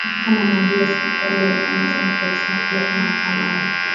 kama maadui wa serikali Walikamatwa na polisi na kupelekwa mahakamani